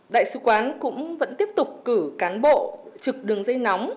đại sứ quán cũng vẫn tiếp tục cử cán bộ trực đường dây nóng